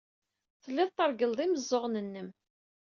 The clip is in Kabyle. Telliḍ treggleḍ imeẓẓuɣen-nnem.